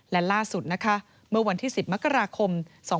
และล่าสุดนะคะเมื่อวันที่๑๐มกราคม๒๕๖